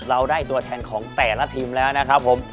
เราได้ตัวแทนของแต่ละทีมแล้วนะครับผม